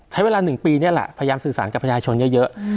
ใช้เวลา๑ปีนี่แหละพยายามสื่อสารกับประชาชนเยอะ